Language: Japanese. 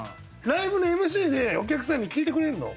ライブのＭＣでお客さんに聞いてくれんの？